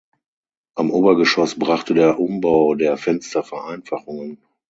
Am Obergeschoss brachte der Umbau der Fenster Vereinfachungen.